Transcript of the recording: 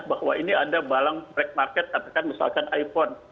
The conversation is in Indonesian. bahwa ini ada barang black market katakan misalkan iphone